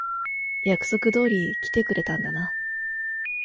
約束通り来てくれたんだな。